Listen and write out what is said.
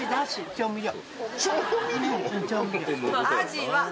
調味料。